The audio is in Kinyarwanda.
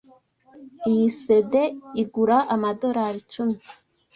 Iyi CD igura amadorari icumi.